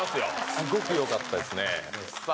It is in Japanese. すごくよかったですねさあ